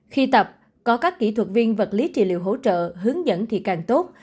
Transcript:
khi tập có các kỹ thuật viên vật lý trị liệu hỗ trợ hướng dẫn thì càng tốt